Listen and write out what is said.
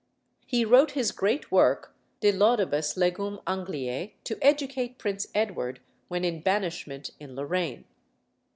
He wrote his great work, De Laudibus Legum Angliæ to educate Prince Edward when in banishment in Lorraine.